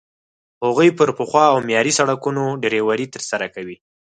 هغوی پر پخو او معیاري سړکونو ډریوري ترسره کوي.